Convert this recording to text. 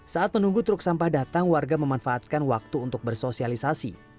saat menunggu truk sampah datang warga memanfaatkan waktu untuk bersosialisasi